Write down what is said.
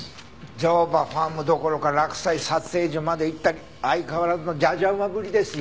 乗馬ファームどころか洛西撮影所まで行ったり相変わらずのじゃじゃ馬ぶりですよ。